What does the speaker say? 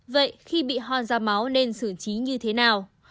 vậy khi bị hoa da máu nên xử trí như thế nào